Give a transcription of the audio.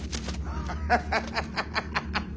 ハハハハハッ！